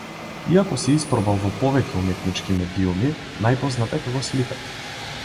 Иако се испробал во повеќе уметнички медиуми, најпознат е како сликар.